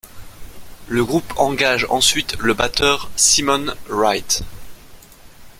Le groupe engage ensuite le batteur Simon Wright.